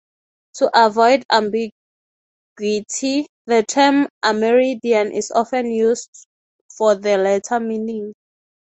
To avoid ambiguity, the term Amerindian is often used for the latter meaning.